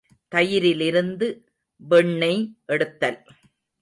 தயிரிலிருந்து வெண்ணெய் எடுத்தல்.